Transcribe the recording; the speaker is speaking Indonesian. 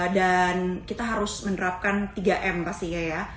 dan kita harus menerapkan tiga m pastinya ya